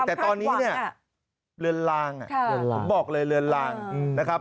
แต่ตอนนี้เรือนล่างบอกเลยเรือนล่างนะครับ